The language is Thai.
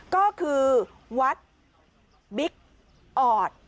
ก็คือวัดบิ๊กออด